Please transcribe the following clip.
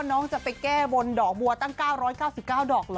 น้องจะไปแก้บนดอกบัวตั้ง๙๙๙ดอกเหรอ